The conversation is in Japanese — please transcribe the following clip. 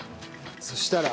そしたら？